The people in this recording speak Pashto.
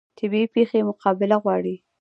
طبیعي پیښې مقابله غواړي